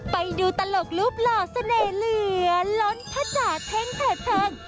ไปดูตลกรูปหล่อเสน่ห์เหลือล้นพระจาเท้งแผ่ง